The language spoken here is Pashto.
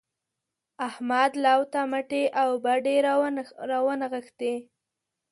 احمد لو ته مټې او بډې راونغښتې.